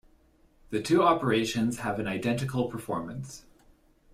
The two operations have an identical performance.